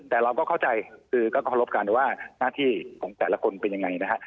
แต่เราก็เข้าใจก็จะโครงรบกันว่าหน้าที่ของแต่ละคนเป็นอย่างไร